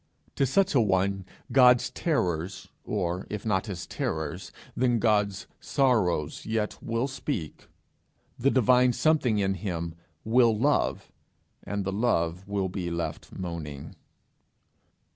To such a one God's terrors, or, if not his terrors, then God's sorrows yet will speak; the divine something in him will love, and the love be left moaning.